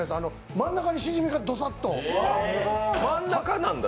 真ん中にしじみがどさっと。